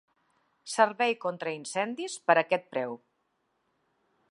Servei contra incendis per aquest preu.